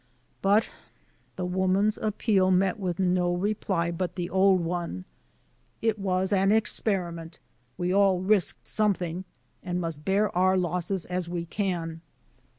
But the woman's appeal met with no reply but the old one: It was an experiment. We all risked something, and must bear our losses as we can."